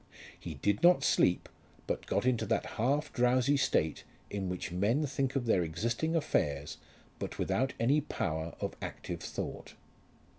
He did not sleep, but got into that half drowsy state in which men think of their existing affairs, but without any power of active thought.